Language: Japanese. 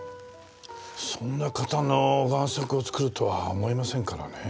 そんな方の贋作を作るとは思えませんからねえ。